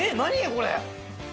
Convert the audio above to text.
これ。